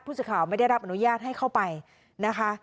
สื่อข่าวไม่ได้รับอนุญาตให้เข้าไปนะคะ